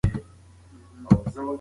ده سوړ اسویلی وایست.